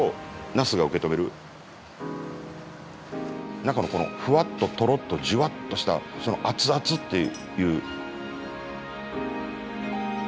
中のこのフワッとトロッとジュワッとしたその熱々っていう。